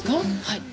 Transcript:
はい。